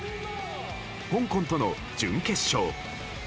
香港との準決勝。